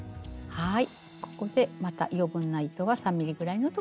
はい。